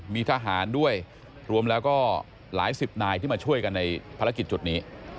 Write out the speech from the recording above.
มีทหารด้วยรวมแล้วก็หลายสิบนายที่มาช่วยกันในภารกิจจุดนี้